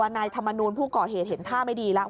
นายธรรมนูลผู้ก่อเหตุเห็นท่าไม่ดีแล้ว